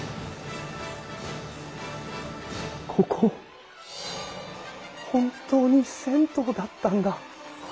ここ本当に銭湯だったんだ。